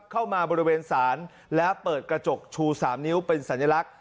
เข้ามาบริเวณศาลแล้วเปิดกระจกชู๓นิ้วเป็นสัญลักษณ